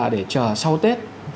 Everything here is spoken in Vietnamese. để chờ sau tết